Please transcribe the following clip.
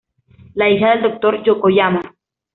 La hija del Doctor Yokoyama.